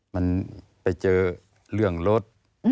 มันไปเจอเรื่องรถ